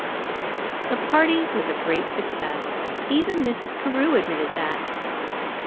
The party was a great success. Even Mrs. Carew admitted that.